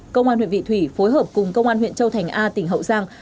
công an huyện vị thủy phối hợp cùng công an huyện châu thành a tỉnh hậu giang